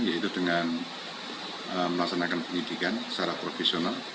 yaitu dengan melaksanakan penyidikan secara profesional